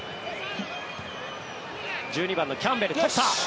１２番のキャンベル取った。